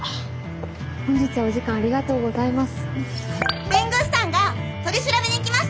本日はお時間ありがとうございます。